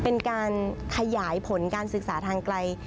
เป็นการขยายผลการศึกษาทางไกล